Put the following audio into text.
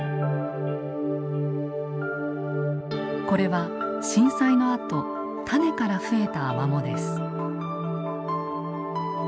これは震災のあと種から増えたアマモです。